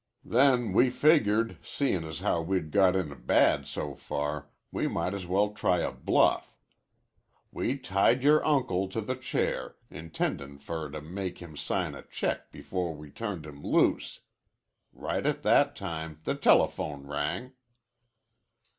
Then we figured, seein' as how we'd got in bad so far, we might as well try a bluff. We tied yore uncle to the chair, intendin' for to make him sign a check before we turned him loose. Right at that time the telephone rang."